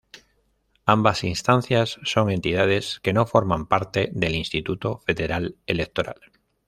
Ambas instancias son entidades que no forman parte del Instituto Federal Electoral.